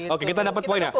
oke kita dapat poin ya